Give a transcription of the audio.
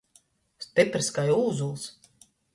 Styprys kai ūzuls.